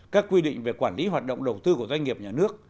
các quy định về quản lý hoạt động đầu tư của doanh nghiệp nhà nước